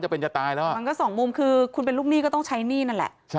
เป็นจะตายแล้วอ่ะมันก็สองมุมคือคุณเป็นลูกหนี้ก็ต้องใช้หนี้นั่นแหละ